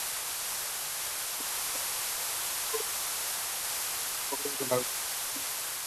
Inició su carrera en teatro, con algunas obras del autor Antonio Esquivel Magaña.